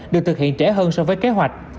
được thực hiện trễ hơn so với kế hoạch